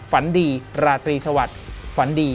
ฝันดีราตรีสวัสดิ์